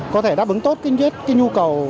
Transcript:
có thể đáp ứng tốt cái nhu cầu